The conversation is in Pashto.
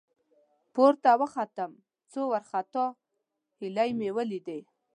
، پورته وختم، څو وارخطا هيلۍ مې ولېدې.